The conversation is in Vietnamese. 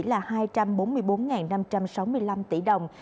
là hai trăm bốn mươi bốn năm trăm sáu mươi năm tỷ đồng